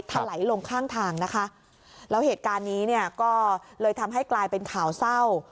ถลายลงข้างทางนะคะแล้วเหตุการณ์นี้เนี่ยก็เลยทำให้กลายเป็นข่าวเศร้า